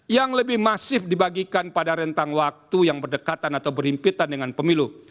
yang lebih masif dibagikan pada rentang waktu yang berdekatan atau berhimpitan dengan pemilu